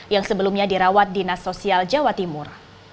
yang sebelumnya dirawat dinas sosial jawa timur